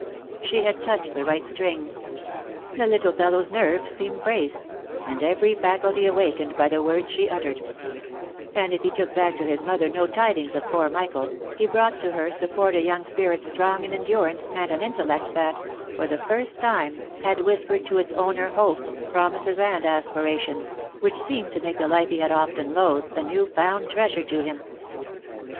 She had touched the right string — the little fellow's nerves seemed braced, and every faculty awakened by the words she uttered ; and if he took back to his mother no tidings of poor Michael, he brought to her support a young spirit strong in endurance, and an intellect that, for the first time, had whispered to its owner hopes, promises, and aspirations, which seemed to make the life he had often loathed a new found trea sure to him.